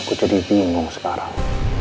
aku jadi bingung sekarang